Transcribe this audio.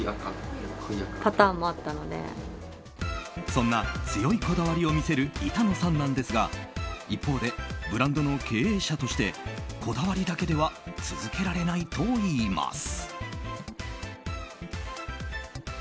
そんな強いこだわりを見せる板野さんなんですが一方でブランドの経営者としてこだわりだけでは続けられないといいます。